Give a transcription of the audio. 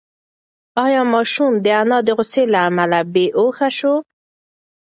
ایا ماشوم د انا د غوسې له امله بېهوښه شو؟